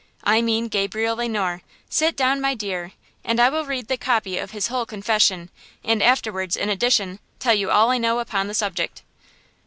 I mean Gabriel Le Noir. Sit down, my dear; and I will read the copy of his whole confession, and afterwards, in addition, tell you all I know upon the subject!"